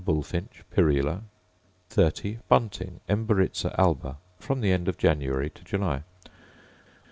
Bullfinch, Pyrrhula: 30. Bunting, Emberiza alba: From the end of January to July.